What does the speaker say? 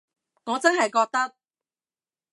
我真係覺得